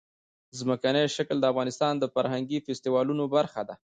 ځمکنی شکل د افغانستان د فرهنګي فستیوالونو برخه ده.